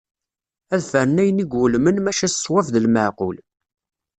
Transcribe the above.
Ad fernen ayen i iwulmen maca s ṣṣwad d lmeɛqul.